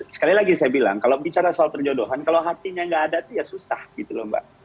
sekali lagi saya bilang kalau bicara soal terjodohan kalau hatinya nggak ada itu ya susah gitu loh mbak